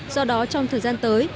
do đó trong thời gian tới